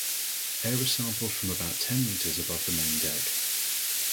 Air is sampled from about ten meters above the main deck.